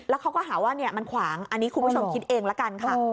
แล้วเขาก็หาว่ามันขวางอันนี้คุณผู้ชมคิดเองละกันค่ะ